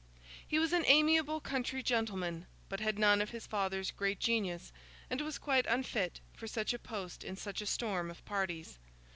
He was an amiable country gentleman, but had none of his father's great genius, and was quite unfit for such a post in such a storm of parties.